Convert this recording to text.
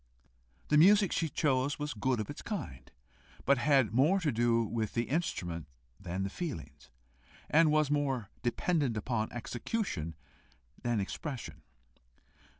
The music she chose was good of its kind, but had more to do with the instrument than the feelings, and was more dependent upon execution than expression.